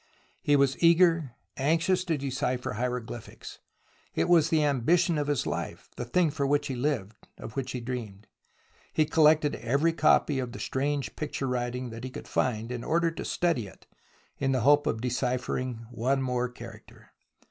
He was eager, anxious, to decipher hieroglyphics. It was the ambition of his life, the thing for which he lived, of which he dreamed. He collected every copy of the strange picture writing that he could find in order to study it, in the hope of deciphering one more character.